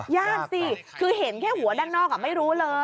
สิคือเห็นแค่หัวด้านนอกไม่รู้เลย